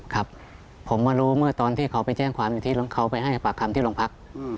ครับผมมารู้เมื่อตอนที่เขาไปแจ้งความอยู่ที่เขาไปให้ปากคำที่โรงพัก